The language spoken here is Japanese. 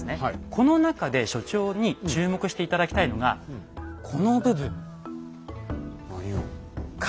この中で所長に注目して頂きたいのがこの部分。